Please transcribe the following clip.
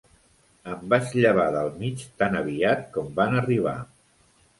Em vaig llevar del mig tan aviat com van arribar.